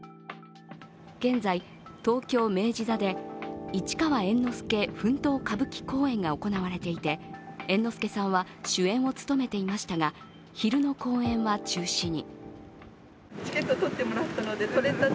現在、東京・明治座で「市川猿之助奮闘歌舞伎公演」が行われていて、猿之助さんは主演を務めていましたが昼の公演は中止に。